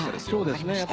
そうですね。